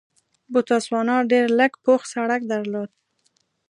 بوتسوانا ډېر لږ پوخ سړک درلود.